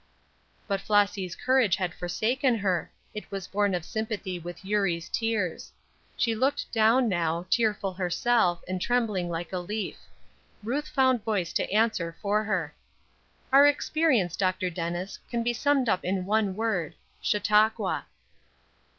But Flossy's courage had forsaken her; it was born of sympathy with Eurie's tears. She looked down now, tearful herself, and trembling like a leaf. Ruth found voice to answer for her. "Our experience, Dr. Dennis, can be summed up in one word Chautauqua."